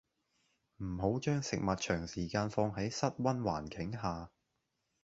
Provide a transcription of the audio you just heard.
唔好將食物長時間放喺室溫環境下